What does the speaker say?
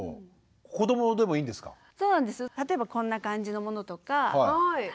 例えばこんな感じのものとか。